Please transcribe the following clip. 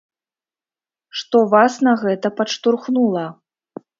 Што вас на гэта падштурхнула?